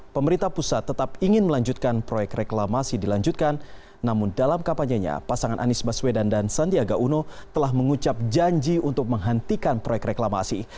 pemerintah pusat tetap ingin melanjutkan proyek reklamasi dilanjutkan namun dalam kapanyanya pasangan anies baswedan dan sandiaga uno telah mengucap janji untuk menghentikan proyek reklamasi